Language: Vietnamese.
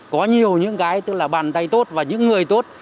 có nhiều những cái tức là bàn tay tốt và những người tốt